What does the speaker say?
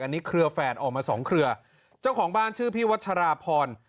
อันนี้เครือแฝดออกมาสองเครือเจ้าของบ้านชื่อพี่วัชราพร